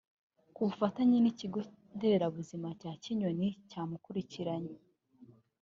« Ku bufatanye n’ikigo nderabuzima cya Kinoni cyamukurikiranye